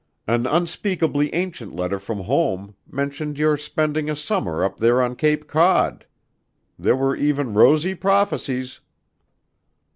An unspeakably ancient letter from home mentioned your spending a summer up there on Cape Cod? There were even rosy prophecies."